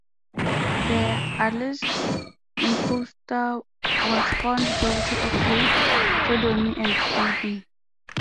The alleged impostor was found guilty of rape, sodomy and kidnapping.